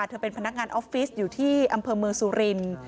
เธอเป็นพนักงานออฟฟิศอยู่ที่อำเภอเมืองสุรินทร์